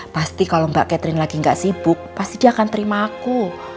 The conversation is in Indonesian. pasti kalau mbak catherine lagi gak sibuk pasti dia akan terima aku